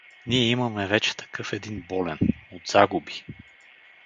Ние имаме вече такъв един болен — от загуби.